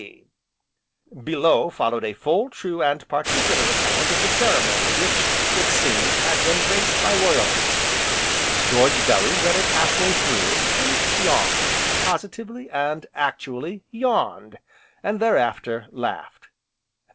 K.C.B. Below followed a full, true, and particular account of the ceremony which, it seemed, had been graced by Royalty. George Bellew read it half way through, and yawned, positively, and actually, yawned, and thereafter, laughed.